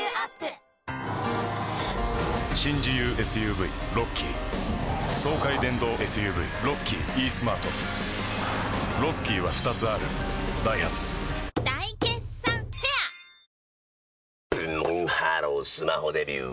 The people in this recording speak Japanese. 新自由ＳＵＶロッキー爽快電動ＳＵＶロッキーイースマートロッキーは２つあるダイハツ大決算フェアブンブンハロースマホデビュー！